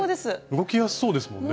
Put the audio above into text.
動きやすそうですもんね。